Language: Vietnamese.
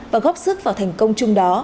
và góp sức vào thành công chung đó